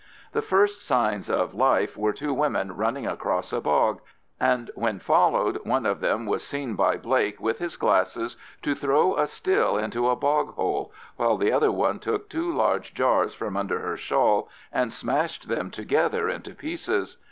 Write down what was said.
The first signs of life were two women running across a bog, and when followed one of them was seen by Blake with his glasses to throw a still into a bog hole, while the other one took two large jars from under her shawl and smashed them together into pieces.